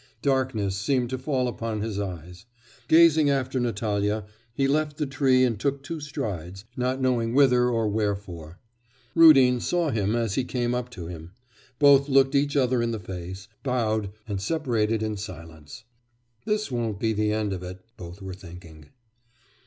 Darkness seemed to fall upon his eyes. Gazing after Natalya, he left the tree and took two strides, not knowing whither or wherefore. Rudin saw him as he came up to him. Both looked each other in the face, bowed, and separated in silence. 'This won't be the end of it,' both were thinking.